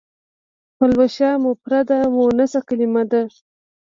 پلوشه مفرده مونثه کلمه ده.